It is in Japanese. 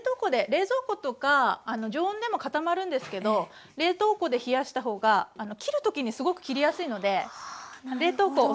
冷蔵庫とか常温でも固まるんですけど冷凍庫で冷やした方があの切る時にすごく切りやすいので。はなるほど。